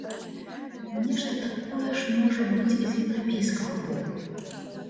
Нешта такое ж можа быць і з еўрапейскага боку.